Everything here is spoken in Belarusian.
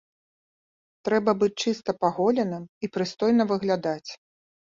Трэба быць чыста паголеным і прыстойна выглядаць.